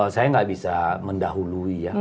saya nggak bisa mendahului ya